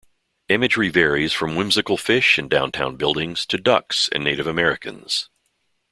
Imagery varies from whimsical fish and downtown buildings to ducks and Native Americans.